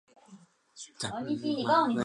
怎么只有你一个人